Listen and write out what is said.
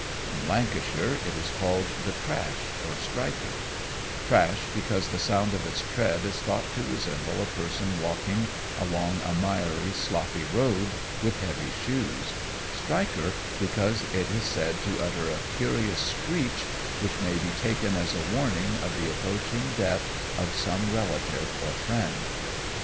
In Lancashire it is called the "Trash" or "Striker"; Trash, because the sound of its tread is thought to resemble a person walking along a miry, sloppy road, with heavy shoes; Striker, because it is said to utter a curious screech which may be taken as a warning of the approaching death of some relative or friend.